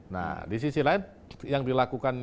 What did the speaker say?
nah di sisi lain yang dilakukan